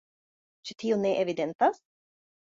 Ĉu tio ne evidentas?